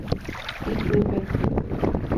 Ipype.